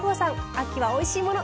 秋はおいしいもの